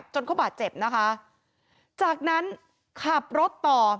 จนเขาบาดเจ็บนะคะจากนั้นขับรถต่อ